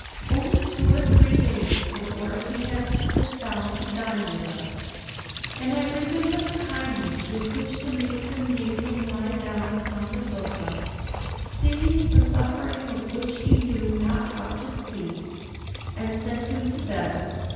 Only two or three days before he had to sit down to dine with us; and I remember the kindness with which the matron made him lie down upon the sofa, seeing the suffering of which he knew not how to speak, and sent him to his bed.